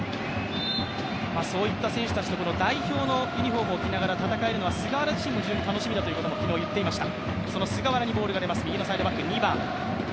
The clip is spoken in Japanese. そういった選手たちと代表のユニフォームを着ながら戦えるというｊのは菅原自身も非常に楽しみだと言っていました。